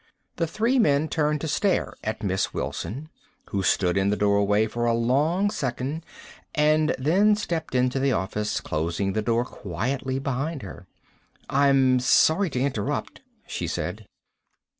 The three men turned to stare at Miss Wilson, who stood in the doorway for a long second and then stepped into the office, closing the door quietly behind her. "I'm sorry to interrupt," she said.